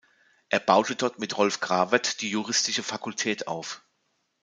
Er baute dort mit Rolf Grawert die Juristische Fakultät auf.